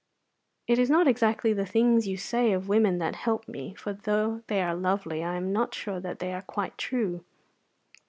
"It is not exactly the things you say of women that help me, for though they are lovely I am not sure that they are quite true.